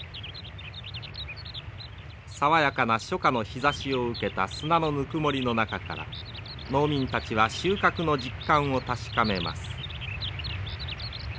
爽やかな初夏の日ざしを受けた砂のぬくもりの中から農民たちは収穫の実感を確かめます。